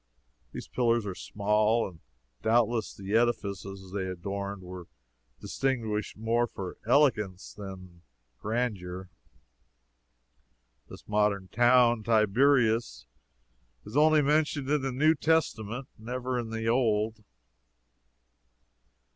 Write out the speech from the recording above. These pillars are small, and doubtless the edifices they adorned were distinguished more for elegance than grandeur. This modern town Tiberias is only mentioned in the New Testament; never in the Old.